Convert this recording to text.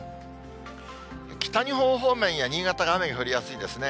北日本方面や新潟が雨が降りやすいですね。